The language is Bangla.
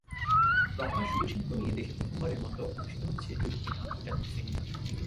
প্রকাশনা শিল্প নিয়ে দেশে প্রথমবারের মতো অনুষ্ঠিত হচ্ছে দুই দিনের আন্তর্জাতিক সেমিনার।